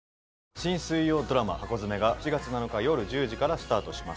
新水曜ドラマ、ハコヅメが、７月７日夜１０時からスタートします。